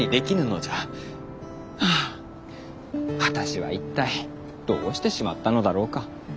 あぁ私は一体どうしてしまったのだろうか。